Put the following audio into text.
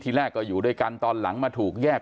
แรกก็อยู่ด้วยกันตอนหลังมาถูกแยก